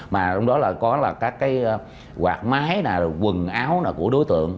mà trong đó là có các cái quạt mái quần áo của đối tượng